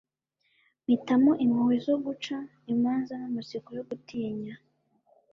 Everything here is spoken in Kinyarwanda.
mpitamo impuhwe zo guca imanza n'amatsiko yo gutinya